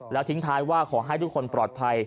แล้วทิ้งท้ายว่าขอให้ทุกคนปลอดภัย